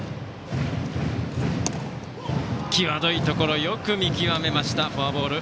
際どいところをよく見極めました、フォアボール。